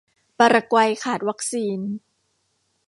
ปารากวัยขาดวัคซีน